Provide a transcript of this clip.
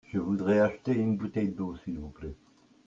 Je voudrais acheter une bouteille d'eau s'il vous plait.